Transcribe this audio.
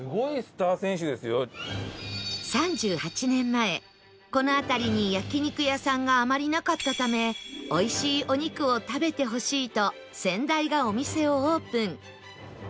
３８年前この辺りに焼肉屋さんがあまりなかったためおいしいお肉を食べてほしいと先代がお店をオープン